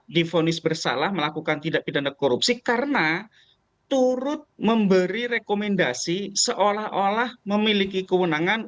difonis bersalah melakukan tindak pidana korupsi karena turut memberi rekomendasi seolah olah memiliki kewenangan